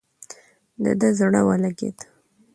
د ده زړه ولګېد.